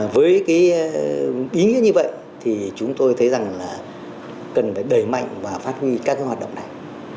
với cái ý nghĩa như vậy thì chúng tôi thấy rằng là cần phải đẩy mạnh và phát huy các cái hoạt động này